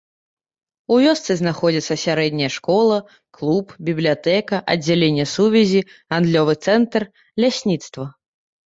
У вёсцы знаходзіцца сярэдняя школа, клуб, бібліятэка, аддзяленне сувязі, гандлёвы цэнтр, лясніцтва.